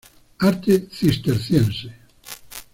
Arte cisterciense